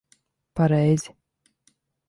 Pareizi.